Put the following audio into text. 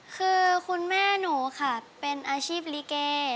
คือคุณแม่หนูค่ะเป็นอาชีพลิเก